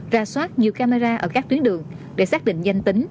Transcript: ra soát nhiều camera ở các tuyến đường để xác định danh tính